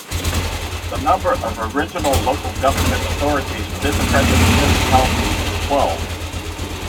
The number of original local government entities within the present municipality is twelve.